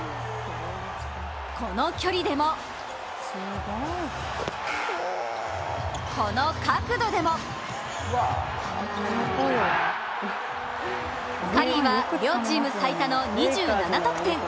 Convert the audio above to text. この距離でもこの角度でもカリーは両チーム最多の２７得点。